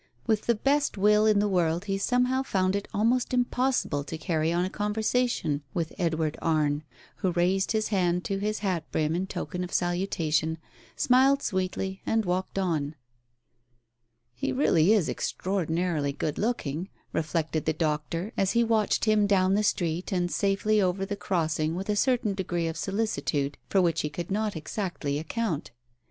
With the best will in the world he somehow found it almost impossible to carry on a conversation with Edward Arne, who raised his hand to his hat brim in token of salutation, smiled sweetly, and walked on. "He really is extraordinarily good looking," reflected the doctor, as he watched him down the street and safely over the crossing with a certain degree of solicitude for which he could not exactly account.